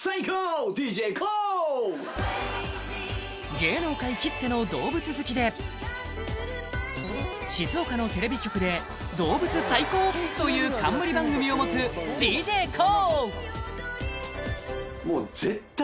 芸能界きっての動物好きで静岡のテレビ局で「どうぶつ最ＫＯＯＯＯ！！」という冠動物番組を持つＤＪＫＯＯ